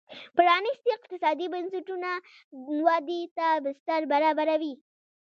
پرانیستي اقتصادي بنسټونه ودې ته بستر برابروي.